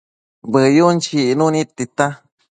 Bëyun chicnu nid tita